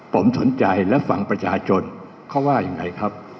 ผมสนใจและฟังประชาชนเขาว่ายังไงครับ